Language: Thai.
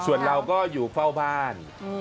ส่วนเราก็อยู่เฝ้าบ้าน